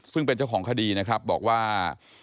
ซึ่งเป็นเจ้าของคดีบอกว่า